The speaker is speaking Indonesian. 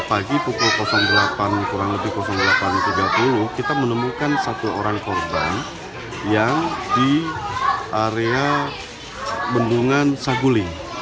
pagi pukul delapan kurang lebih delapan tiga puluh kita menemukan satu orang korban yang di area bendungan saguling